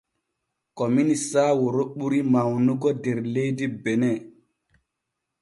Komini saawaro ɓuri mawnugo der leydi bene.